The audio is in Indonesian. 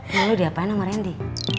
lu diapain sama randy